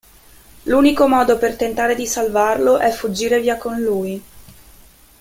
L'unico modo per tentare di salvarlo è fuggire via con lui.